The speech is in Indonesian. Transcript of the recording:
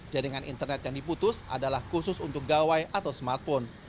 jaringan internet yang diputus adalah khusus untuk gawai atau smartphone